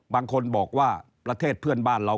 บางคนบอกว่าประเทศเพื่อนบ้านเรา